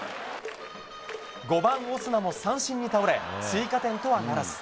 ５番オスナも三振に倒れ、追加点とはならず。